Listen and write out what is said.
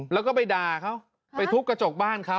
แล้วก็ไปด่าเขาไปทุบกระจกบ้านเขา